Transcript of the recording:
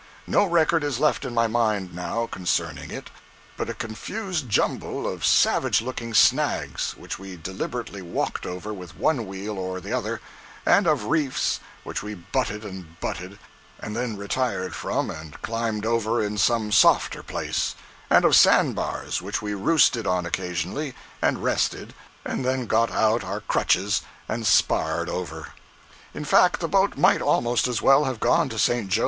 No record is left in my mind, now, concerning it, but a confused jumble of savage looking snags, which we deliberately walked over with one wheel or the other; and of reefs which we butted and butted, and then retired from and climbed over in some softer place; and of sand bars which we roosted on occasionally, and rested, and then got out our crutches and sparred over. In fact, the boat might almost as well have gone to St. Jo.